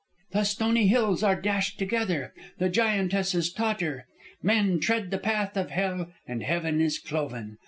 "'_The stony hills are dashed together, the giantesses totter; men tread the path of Hel, and heaven is cloven.